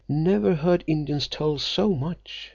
Never heard Indians tell so much.